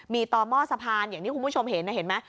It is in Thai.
มีต่อหม้อสะพานอย่างที่คุณผู้ชมเห็นนะเห็นไหม